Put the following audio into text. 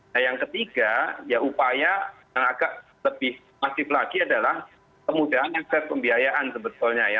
nah yang ketiga ya upaya yang agak lebih masif lagi adalah kemudahan akses pembiayaan sebetulnya ya